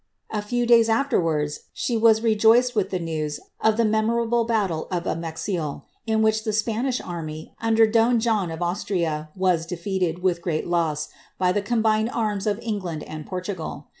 'ew days aAerwards, she was rejoiced with the news of the memo battle of Amexial, in which the Spanish army, under don John of ia, was defeated, with great loss, by the combined arms of England *ortugal.